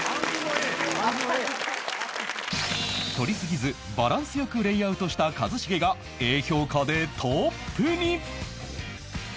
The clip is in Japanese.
取りすぎずバランス良くレイアウトした一茂が Ａ 評価でトップに